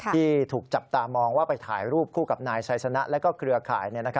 ที่ถูกจับตามองว่าไปถ่ายรูปคู่กับนายไซสนะและเครือข่าย